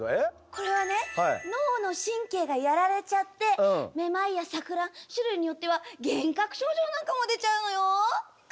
これはね脳の神経がやられちゃってめまいやさく乱種類によっては幻覚症状なんかも出ちゃうのよ。